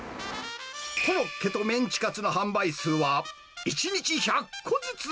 コロッケとメンチカツの販売数は、１日１００個ずつ。